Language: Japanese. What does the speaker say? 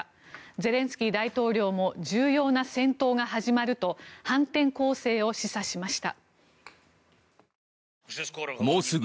ゼレンスキー大統領も重要な戦闘が始まると反転攻勢を示唆しました。